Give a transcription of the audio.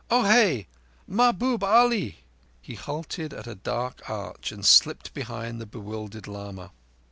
"Ohé, Mahbub Ali!" He halted at a dark arch and slipped behind the bewildered lama.